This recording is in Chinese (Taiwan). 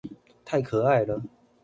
太可愛了